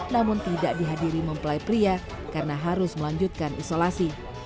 namun tidak dihadiri mempelai pria karena harus melanjutkan isolasi